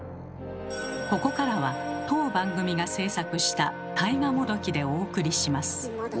ここからは当番組が制作した大河もどきでお送りします。